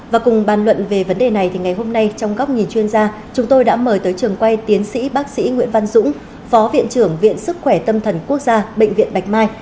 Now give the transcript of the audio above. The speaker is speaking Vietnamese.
và cùng bàn luận về vấn đề này thì ngày hôm nay trong góc nhìn chuyên gia chúng tôi đã mời tới trường quay tiến sĩ bác sĩ nguyễn văn dũng phó viện trưởng viện sức khỏe tâm thần quốc gia bệnh viện bạch mai